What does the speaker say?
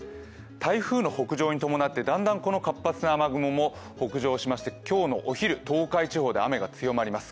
台風の北上に伴ってだんだんこの活発な雨雲も北上しまして今日のお昼、東海地方で雨が強まります。